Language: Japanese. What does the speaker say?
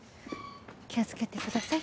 気を付けてください。